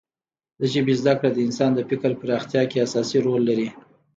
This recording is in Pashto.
د ژبې زده کړه د انسان د فکر پراختیا کې اساسي رول لري.